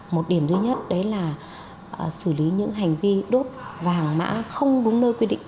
một điểm thứ nhất đấy là xử lý những hành vi đốt vàng mã không đúng nơi quy định